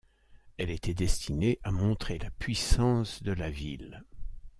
Elle était destinée à montrer la puissance de la ville.